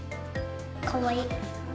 かわいい。